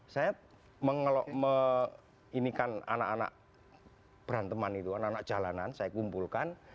saya mengelok ini kan anak anak beranteman itu anak anak jalanan saya kumpulkan